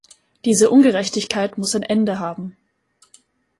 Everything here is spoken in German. Diese Ungerechtigkeit muss ein Ende haben.